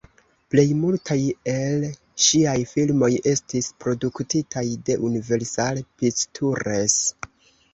Plej multaj el ŝiaj filmoj estis produktitaj de Universal Pictures.